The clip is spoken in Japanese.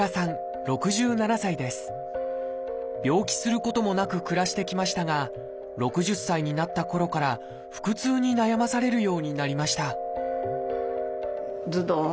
病気することもなく暮らしてきましたが６０歳になったころから腹痛に悩まされるようになりました